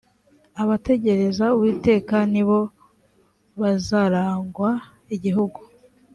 abategereza uwiteka ni bo bazaragwa igihugu